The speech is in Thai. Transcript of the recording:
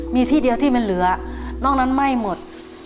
มีที่เดียวที่มันเหลือนอกนั้นไหม้หมด